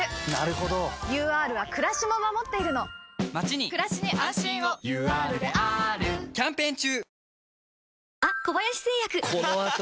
ＵＲはくらしも守っているのまちにくらしに安心をＵＲであーるキャンペーン中！